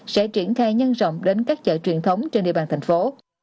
sẽ triển khai nhân rộng đến các chợ truyền thống trên địa bàn thành phố